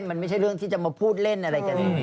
มันไม่ใช่เรื่องที่จะมาพูดเล่นอะไรกัน